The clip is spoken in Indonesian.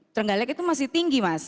trenggalek itu masih tinggi mas